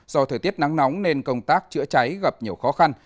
do thời tiết nắng nóng nên công tác chữa cháy gặp nhiều khó khăn